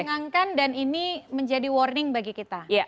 menyenangkan dan ini menjadi warning bagi kita